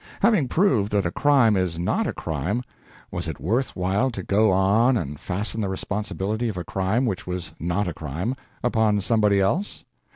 Having proved that a crime is not a crime, was it worth while to go on and fasten the responsibility of a crime which was not a crime upon somebody else?